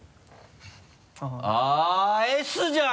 あぁ「Ｓ」じゃん！